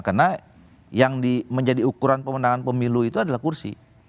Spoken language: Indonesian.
karena yang menjadi ukuran pemenangan pemilu itu adalah kursi